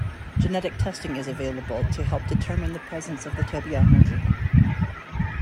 Genetic testing is available to help determine the presence of the Tobiano gene.